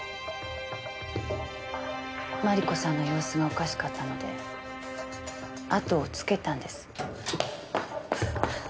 麻理子さんの様子がおかしかったのであとをつけたんです。